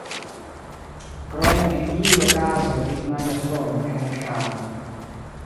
Krome en iuj okazoj ili manĝas florojn kaj nektaron.